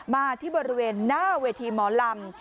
มาที่บริเวณหน้าเวทีหมอลำ